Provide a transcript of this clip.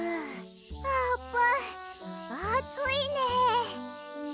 あーぷんあついねえ。